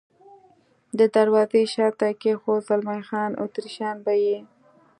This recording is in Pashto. د دروازې شاته یې کېښود، زلمی خان: اتریشیان به یې.